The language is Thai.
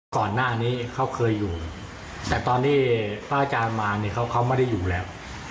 ก่อนหน้านี้เขาเคยอยู่แต่ตอนที่พระอาจารย์มาเนี่ยเขาไม่ได้อยู่แล้ว